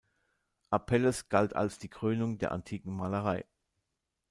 Apelles galt als die „Krönung der antiken Malerei“.